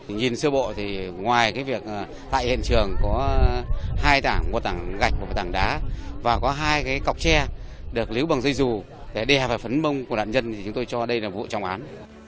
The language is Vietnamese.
nhìn sơ bộ thì ngoài việc tại hiện trường có hai tảng một tảng gạch một tảng đá và có hai cái cọc tre được lưu bằng dây dù để đè vào phấn mông của nạn nhân thì chúng tôi cho đây là vụ trọng án